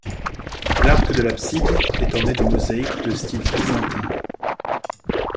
L'arc de l'abside est orné de mosaïques de style byzantin.